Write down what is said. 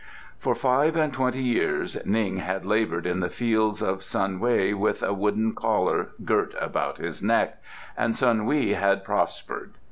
* For five and twenty years Ning had laboured in the fields of Sun Wei with a wooden collar girt about his neck, and Sun Wei had prospered.